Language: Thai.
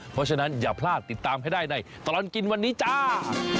เพราะฉะนั้นอย่าพลาดติดตามให้ได้ในตลอดกินวันนี้จ้า